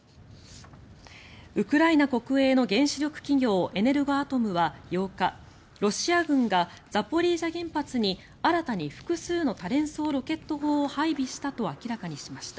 ウクライナ国営の原子力企業エネルゴアトムは８日ロシア軍がザポリージャ原発に新たに複数の多連装ロケット砲を配備したと明らかにしました。